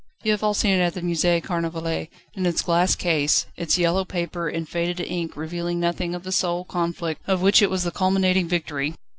You have all seen it at the Musée Carnavalet in its glass case, its yellow paper and faded ink revealing nothing of the soul conflict of which it was the culminating victory.